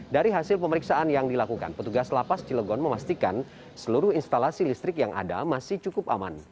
dari hasil pemeriksaan yang dilakukan petugas lapas cilegon memastikan seluruh instalasi listrik yang ada masih cukup aman